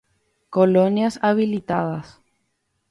Colonias habilitadas.